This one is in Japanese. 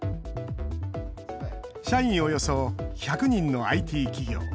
社員およそ１００人のＩＴ企業。